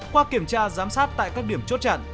qua kiểm tra giám sát tại các điểm chốt chặn